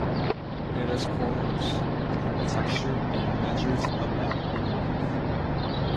It is coarse in texture and measures about in length.